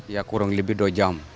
ya kurang lebih dua jam